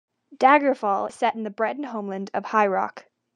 "Daggerfall" is set in the Breton homeland of High Rock.